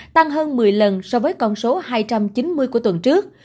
tăng hơn một mươi lần so với con số hai trăm chín mươi của tuần trước